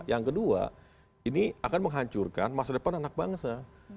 yang kedua ini akan menghancurkan masa depan anak bangsa